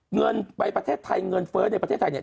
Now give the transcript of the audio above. เงินไปประเทศไทยเงินเฟ้อในประเทศไทยเนี่ย